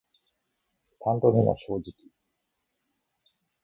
三度目の正直